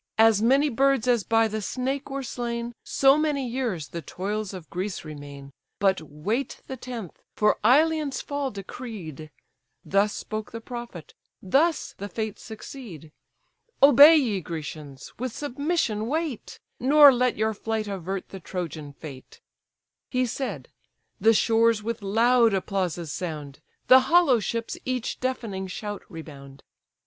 As many birds as by the snake were slain, So many years the toils of Greece remain; But wait the tenth, for Ilion's fall decreed:' Thus spoke the prophet, thus the Fates succeed. Obey, ye Grecians! with submission wait, Nor let your flight avert the Trojan fate." He said: the shores with loud applauses sound, The hollow ships each deafening shout rebound.